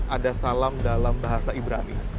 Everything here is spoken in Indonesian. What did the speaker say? ada salam dalam bahasa ibrani